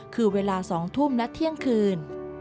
คือเวลา๒ทุ่มและเที่ยงคืน